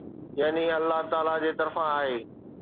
يعني الله تعاليٰ جي طرفان آهي.